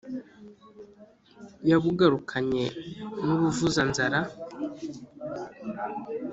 yabugarukanye n’u buvuza-nzara